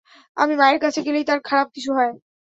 আমি মায়ের কাছে গেলেই তার খারাপ কিছু হয়।